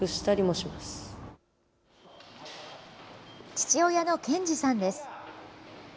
父親の健二さんです。